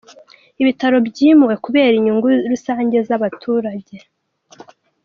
Ibitaro byimuwe kubera inyungu rusange z’abaturage.